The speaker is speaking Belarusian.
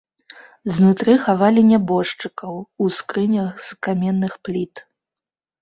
Знутры хавалі нябожчыкаў у скрынях з каменных пліт.